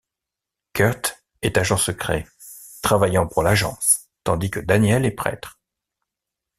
Kurt est agent secret, travaillant pour l'Agence tandis que Daniel est prêtre.